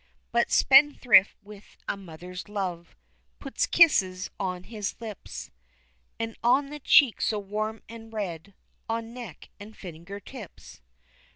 But, spendthrift with a mother's love, Puts kisses on his lips, And on the cheeks so warm and red, On neck, and finger tips.